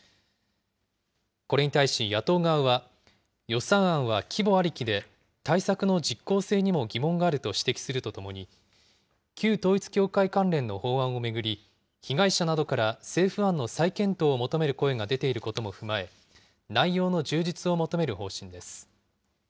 これに対し野党側は、予算案は規模ありきで、対策の実効性にも疑問があると指摘するとともに、旧統一教会関連の法案を巡り、被害者などから政府案の再検討を求める声が出ていることも踏まえ、内容の充実を求める方針です。